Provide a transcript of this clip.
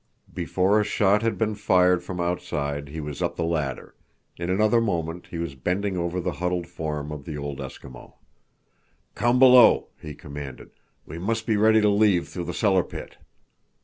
Before a shot had been fired from outside, he was up the ladder; in another moment he was bending over the huddled form of the old Eskimo. "Come below!" he commanded. "We must be ready to leave through the cellar pit."